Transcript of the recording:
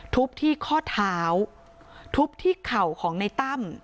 ทุบที่ข้อเท้าทุบที่เข่าของในตั้ม